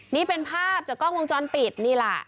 นี่เป็นภาพเมื่อกล้องวงจรปิด